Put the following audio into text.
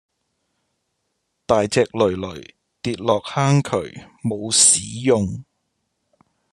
大隻騾騾跌落坑渠冇屎用